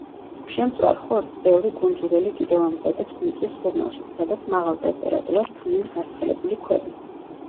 შემწვარ ხორცს ბევრი კუნძულელი კიდევ ამზადებს მიწის ღუმელში, სადაც მაღალ ტემპერატურას ქმნიან გაცხელებული ქვები.